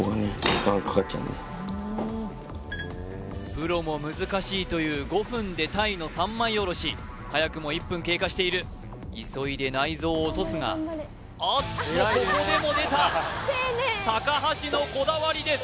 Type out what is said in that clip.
プロも難しいという５分で鯛の三枚おろし早くも１分経過している急いで内臓を落とすがあっとここでも出た高橋のこだわりです